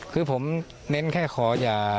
คือผมเน้นแค่ขออย่า